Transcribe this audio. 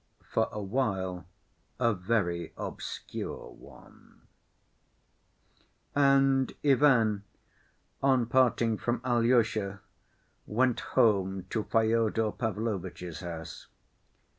For Awhile A Very Obscure One And Ivan, on parting from Alyosha, went home to Fyodor Pavlovitch's house.